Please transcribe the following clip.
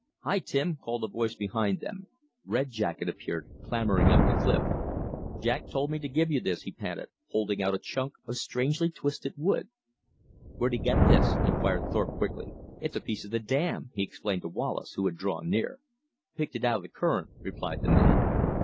"Hi, Tim," called a voice behind them. Red Jacket appeared clambering up the cliff. "Jack told me to give this to you," he panted, holding out a chunk of strangely twisted wood. "Where'd he get this?" inquired Thorpe, quickly. "It's a piece of the dam," he explained to Wallace, who had drawn near. "Picked it out of the current," replied the man.